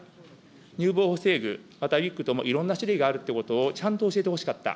乳房補正具、またウィッグともいろんな種類があるということを、ちゃんと教えてほしかった。